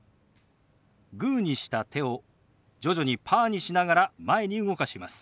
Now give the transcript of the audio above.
グーにした手を徐々にパーにしながら前に動かします。